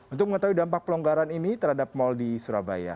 untuk mengetahui dampak pelonggaran ini terhadap mal di surabaya